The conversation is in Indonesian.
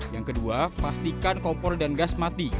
yang kedua pastikan kompor dan gas mati